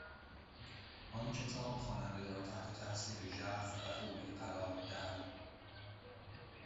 آن کتاب خواننده را تحت تاءثیر ژرف و فوری قرار میدهد.